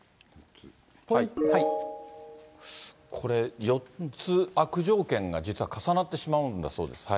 これ、４つ悪条件が実は重なってしまうんだそうです。